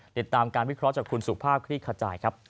ติดตามการวิเคราะห์จากคุณสุภาพคลี่ขจายครับ